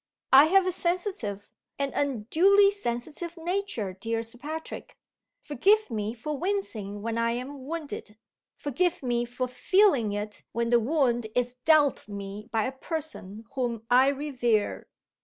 I have a sensitive an unduly sensitive nature, dear Sir Patrick. Forgive me for wincing when I am wounded. Forgive me for feeling it when the wound is dealt me by a person whom I revere."